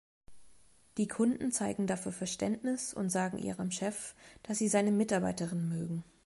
Die Kunden zeigen dafür Verständnis und sagen ihrem Chef, dass sie seine Mitarbeiterin mögen.